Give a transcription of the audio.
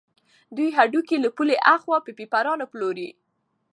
دوی هډوکي له پولې اخوا په بېپارانو پلوري.